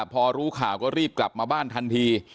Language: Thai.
พอรู้ข่าวก็รีบกลับมาบ้านทันที